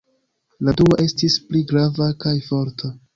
La dua estis pli grava kaj forta.